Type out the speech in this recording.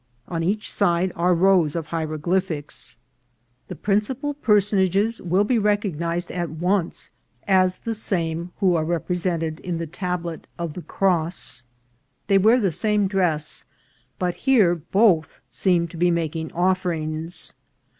On each side are rows of hieroglyphics. 31 352 INCIDENTS OP TRAVEL. The principal personages will be recognised at once as the same who are represented in the tablet of the cross. They wear the same dress, but here both seem to be making offerings.